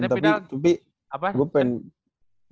tapi tapi gue pengen